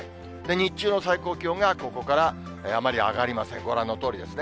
日中の最高気温が、ここからあまり上がりません、ご覧のとおりですね。